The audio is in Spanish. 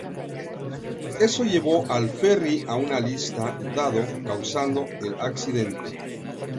Eso llevó al ferry a una lista lado, causando el accidente.